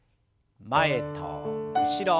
前と後ろ。